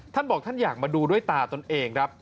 ท่านบอกท่านอยากมาดูด้วยตาตนเองครับ